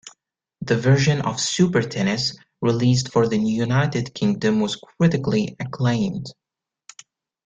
The version of "Super Tennis" released for the United Kingdom was critically acclaimed.